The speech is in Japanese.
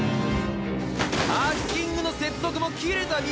ハッキングの接続も切れたみ